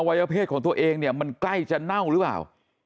วัยวเพศของตัวเองเนี่ยมันใกล้จะเน่าหรือเปล่า